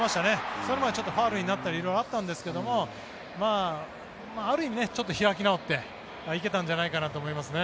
それまでちょっとファウルになったり色々あったんですけどもある意味、開き直って行けたんじゃないかなと思いますね。